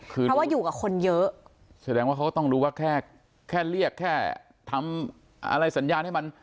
เพราะว่าอยู่กับคนเยอะแสดงว่าเขาก็ต้องรู้ว่าแค่แค่เรียกแค่ทำอะไรสัญญาณให้มัน